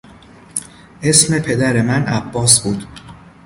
اسم پدر من عباس بود.